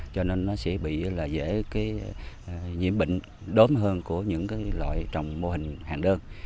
cho nên nó sẽ bị dễ nhiễm bệnh đốm hơn của những loại trồng mô hình hàng đơn